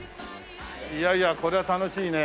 いやいやこれは楽しいね。